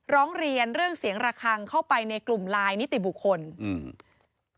ร้องเรียนเรื่องเสียงระคังเข้าไปในกลุ่มไลน์นิติบุคคลอืม